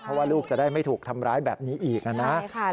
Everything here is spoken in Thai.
เพราะว่าลูกจะได้ไม่ถูกทำร้ายแบบนี้อีกนะ